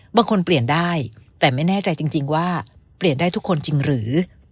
เปลี่ยนได้แต่ไม่แน่ใจจริงว่าเปลี่ยนได้ทุกคนจริงหรือ